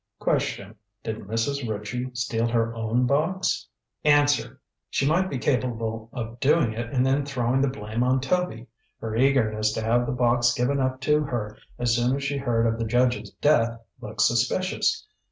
"Question: Did Mrs. Ritchie steal her own box? "Answer: She might be capable of doing it and then throwing the blame on Toby. Her eagerness to have the box given up to her as soon as she heard of the judge's death looks suspicious.